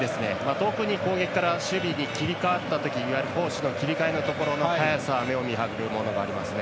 特に攻撃から守備に切り替わったときいわゆる攻守の切り替えの速さは目を見張るものがありますね。